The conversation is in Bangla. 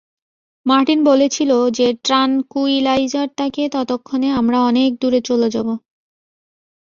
মার্টিন বলেছিলও যে ট্রানকুইলাইজার তাকে ততক্ষণে আমরা অনেক দূরে চলে যাব।